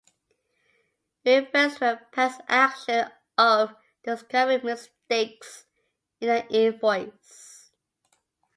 It refers to a past action of discovering mistakes in the invoice.